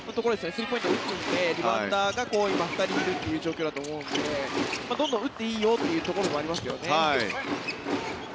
スリーポイントを打つのでリバウンダーがこういうところにいる状況だと思うのでどんどん打っていいよというところになりますよね。